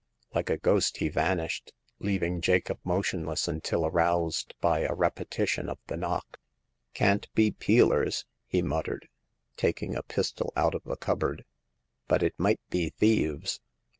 Like a ghost he vanished, leaving Jacob motionless until aroused by a repetition of the knock. " Can't be peelers,*' he muttered, taking a pis tol out of a cupboard, " but it might be thieves.